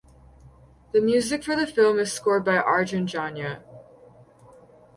The music for the film is scored by Arjun Janya.